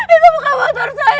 itu bukan motor saya